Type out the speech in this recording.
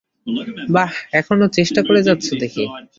বাহ, এখনও চেষ্টা করে যাচ্ছ দেখি।